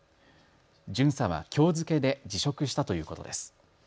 巡査はきょう付けで辞職したということです。